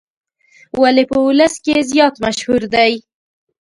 ولې په ولس کې زیات مشهور دی.